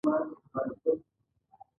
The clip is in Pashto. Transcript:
هغوی د ژمنې په بڼه مینه سره ښکاره هم کړه.